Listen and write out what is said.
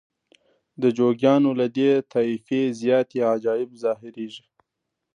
د جوګیانو له دې طایفې زیاتې عجایب ظاهریږي.